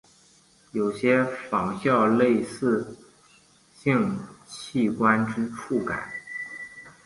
有些仿效类似性器官之触感。